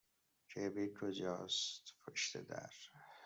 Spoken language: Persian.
کبریت کجاست؟